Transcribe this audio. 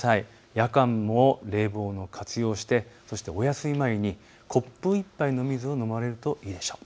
夜間も冷房を活用してお休み前にコップ１杯の水を飲まれるといいでしょう。